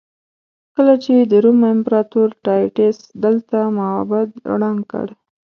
کله چې د روم امپراتور ټایټس دلته معبد ړنګ کړ.